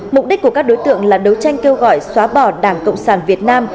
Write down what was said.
mục đích của các đối tượng là đấu tranh kêu gọi xóa bỏ đảng cộng sản việt nam